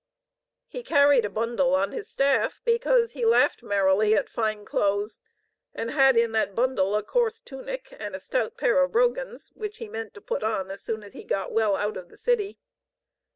He carried a bundle on his staff, because he laughed merrily at fine clothes and had in the bundle a coarse tunic and a stout pair of brogans, which he meant to put on as soon as he got well out of the city.